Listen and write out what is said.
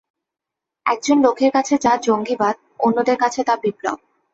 একজন লোকের কাছে যা জঙ্গিবাদ, অন্যজনের কাছে তা বিপ্লব।